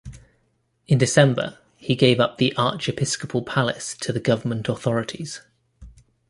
In December he gave up the archiepiscopal palace to the government authorities.